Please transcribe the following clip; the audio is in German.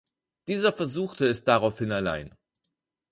Dieser versuchte es daraufhin allein.